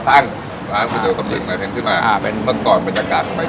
เช่นอาชีพพายเรือขายก๋วยเตี๊ยว